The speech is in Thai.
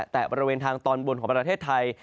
แต่บริเวณทางตอนบนของประเทศไทย